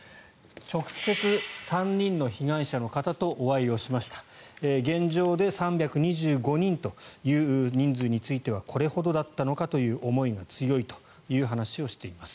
直接３人の被害者の方とお会いをしました現状で３２５人という人数についてはこれほどだったのかという思いが強いという話をしています。